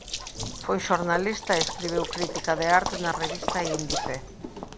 Foi xornalista e escribiu crítica de arte na revista "Índice".